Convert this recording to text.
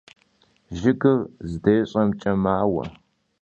Jjıgır zdêş'emç'e maue.